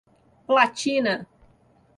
Platina